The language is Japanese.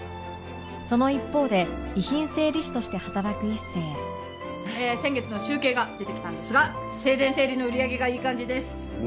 その一方で遺品整理士として働く一星えー先月の集計が出てきたんですが生前整理の売り上げがいい感じです。